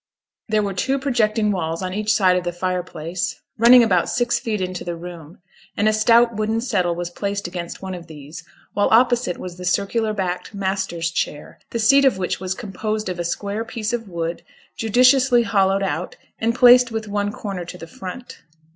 There were two projecting walls on each side of the fire place, running about six feet into the room, and a stout wooden settle was placed against one of these, while opposite was the circular backed 'master's chair,' the seat of which was composed of a square piece of wood judiciously hollowed out, and placed with one corner to the front.